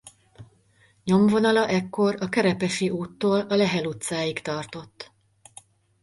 Nyomvonala ekkor a Kerepesi úttól a Lehel utcáig tartott.